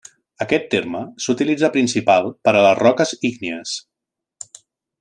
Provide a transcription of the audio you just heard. Aquest terme s'utilitza principal per a les roques ígnies.